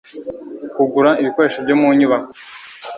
kugura ibikoresho byo mu nyubako